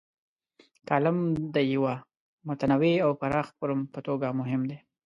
کالم د یوه متنوع او پراخ فورم په توګه مهم دی.